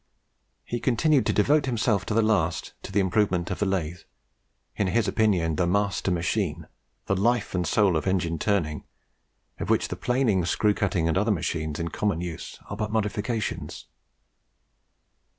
He continued to devote himself to the last to the improvement of the lathe, in his opinion the master machine, the life and soul of engine turning, of which the planing, screw cutting, and other machines in common use, are but modifications.